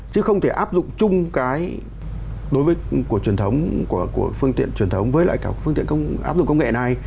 chứ không thể áp dụng chung cái đối với truyền thống của phương tiện truyền thống với lại cả phương tiện công áp dụng công nghệ này